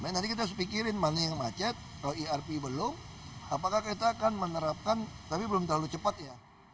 nanti kita harus pikirin mana yang macet kalau irp belum apakah kita akan menerapkan tapi belum terlalu cepat ya